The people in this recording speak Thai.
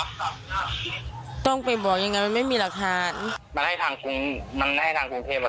ครับต้องไปบอกยังไงไม่มีหลักฐานมาให้ทางกรูงจะให้ทางกรุงเทพมา